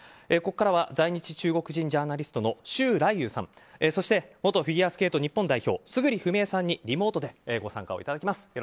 ここからは在日中国人ジャーナリストの周来友さんそして元フィギュアスケート日本代表村主章枝さんにリモートでご参加をいただきます。